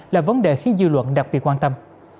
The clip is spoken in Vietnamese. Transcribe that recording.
là vấn đề khiến dư luận đặc biệt quan tâm